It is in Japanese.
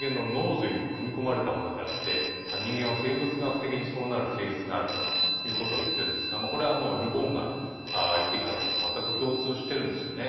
人間は生物学的にそうなる性質があるということを言ってるんですがこれはもうル・ボンが言ってきたことと全く共通してるんですよね。